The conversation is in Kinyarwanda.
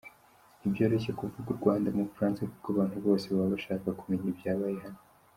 Ntibyoroshye kuvuga u Rwanda mu Bufaransa kuko abantu bose baba bashaka kumenya ibyabaye hano.